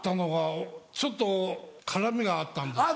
ちょっと絡みがあったんですけど。